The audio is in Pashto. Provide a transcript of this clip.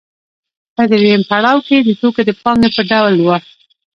په درېیم پړاو کې د توکو د پانګې په ډول وه